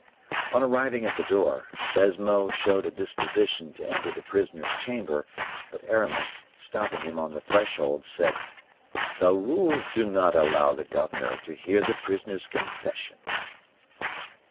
On arriving at the door, Baisemeaux showed a disposition to enter the prisoner's chamber; but Aramis, stopping him on the threshold, said, "The rules do not allow the governor to hear the prisoner's confession."